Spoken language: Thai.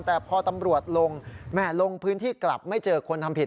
แต่พอตำรวจลงแม่ลงพื้นที่กลับไม่เจอคนทำผิด